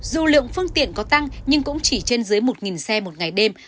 dù lượng phương tiện có tăng nhưng cũng chỉ trên dưới một xe một ngày đêm